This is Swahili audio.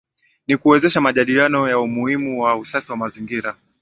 Ni kuwezesha majadiliano ya umuhimu wa usafi wa mazingira